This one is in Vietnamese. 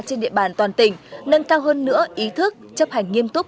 trên địa bàn toàn tỉnh nâng cao hơn nữa ý thức chấp hành nghiêm túc